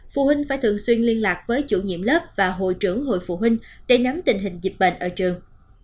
phụ huynh phải thường xuyên liên lạc với chủ nhiệm lớp và hội trưởng hội phụ huynh để nắm tình hình dịch bệnh ở trường